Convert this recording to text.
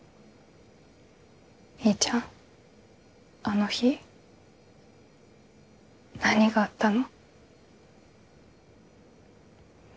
みーちゃんあの日何があったの？